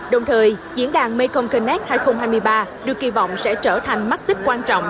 đồng thời diễn đàn mekong connect hai nghìn hai mươi ba được kỳ vọng sẽ trở thành mắc xích quan trọng